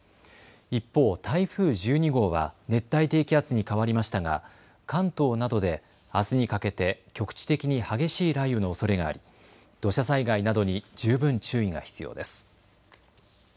一方、台風１２号は熱帯低気圧に変わりましたが関東などであすにかけて局地的に激しい雷雨のおそれがあり、土砂災害などに十分注意が必要です。